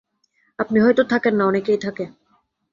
আপনি হয়তো থাকেন না, অনেকেই থাকে।